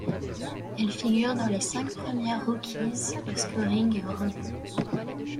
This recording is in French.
Elle figure dans le cinq premières rookies au scoring et au rebond.